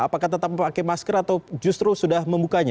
apakah tetap memakai masker atau justru sudah membukanya